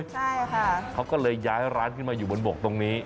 ใช่ค่ะเขาก็เลยย้ายร้านขึ้นมาอยู่บนบกตรงนี้